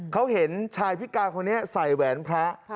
เขาเห็นชายพิการคนนี้ใส่แหวนพระ